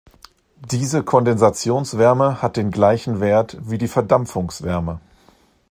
Diese Kondensationswärme hat den gleichen Wert wie die Verdampfungswärme.